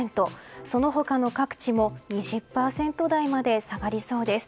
その他の各地も２０％台まで下がりそうです。